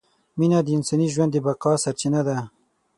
مینه د انساني ژوند د بقاء سرچینه ده!